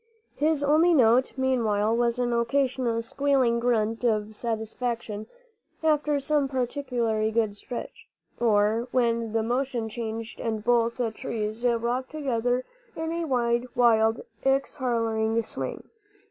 His only note, meanwhile, was an occasional squealing grunt of satisfaction after some particularly good stretch, or when the motion changed and both trees rocked together in a wide, wild, exhilarating swing.